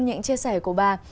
những chia sẻ của bà